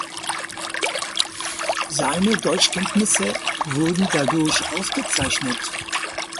Seine Deutschkenntnisse wurden dadurch ausgezeichnet.